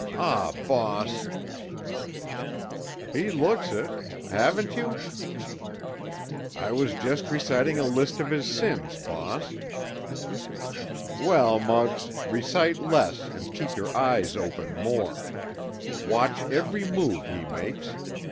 "Aw, boss——" "He looks it. Haven't you?" "I was just reciting a list of his sins, boss." "Well, Muggs, recite less and keep your eyes open more. Watch every move he makes.